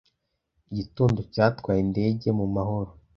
Igitondo cyatwaye indege mu mahoro